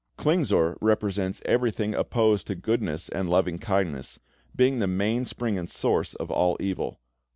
Klingsor represents everything opposed to Goodness and Loving kindness, being the mainspring and source of all evil.